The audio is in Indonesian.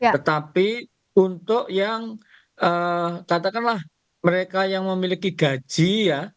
tetapi untuk yang katakanlah mereka yang memiliki gaji ya